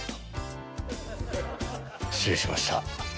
失礼しました。